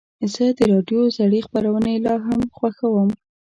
زه د راډیو زړې خپرونې لا هم خوښوم.